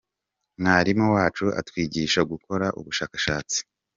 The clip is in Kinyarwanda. Mwarimu wacu atwigisha gukora ubushakashatsi.